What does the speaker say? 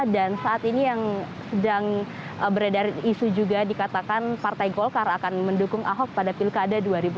dan saat ini yang sedang beredar isu juga dikatakan partai golkar akan mendukung ahok pada pilkada dua ribu tujuh belas